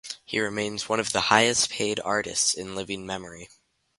He remains one of the highest paid artists in living memory.